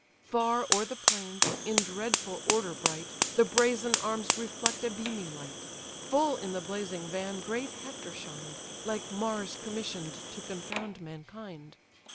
Far o'er the plains, in dreadful order bright, The brazen arms reflect a beamy light: Full in the blazing van great Hector shined, Like Mars commission'd to confound mankind.